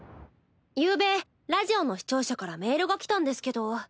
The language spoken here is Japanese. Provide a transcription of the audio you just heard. ゆうべラジオの視聴者からメールが来たんですけど。